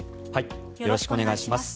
よろしくお願いします。